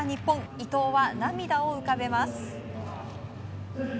伊藤は涙を浮かべます。